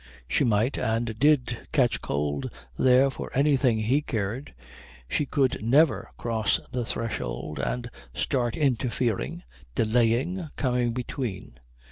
She might and did catch cold there for anything he cared, she should never cross the threshold and start interfering, delaying, coming between.